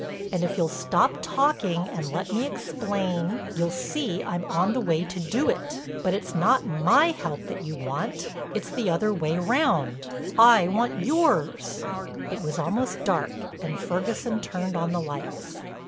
And if you'll stop talking and let me explain, you'll see I'm on the way to do it. But it's not my help that you want, it's the other way round—I want yours." It was almost dark and Ferguson turned on the lights.